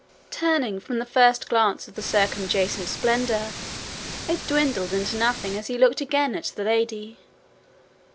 Turning from the first glance at the circuadjacent splendour, it dwindled into nothing as he looked again at the lady.